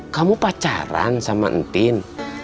kamu pacaran sama entin